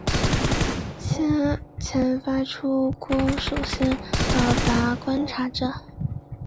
先前发出的光首先到达观察者。